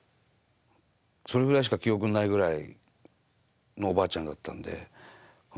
それぐらいしか記憶にないぐらいのおばあちゃんだったんで。